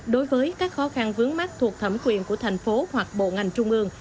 đối với các khó khăn vướng mắt thuộc thẩm quyền của thành phố hoặc bộ ngành trung ương